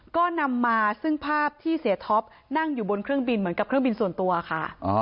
ก็นำมาซึ่งภาพที่เสียท็อปนั่งอยู่บนเครื่องบินเหมือนกับเครื่องบินส่วนตัวค่ะ